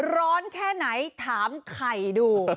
ร้อนแค่ไหนถามไข่ดู